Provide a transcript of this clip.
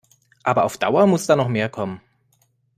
Aber auf Dauer muss da noch mehr kommen.